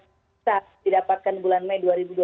bisa didapatkan bulan mei dua ribu dua puluh